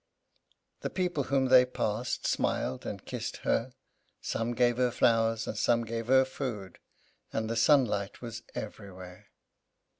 The people whom they passed smiled and kissed her; some gave her flowers, and some gave her food, and the sunlight was everywhere.